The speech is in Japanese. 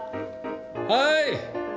はい。